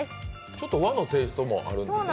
ちょっと和のテイストもあるんですね。